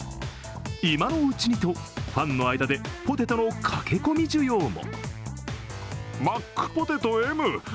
今のうちにとファンの間でポテトの駆け込み需要も。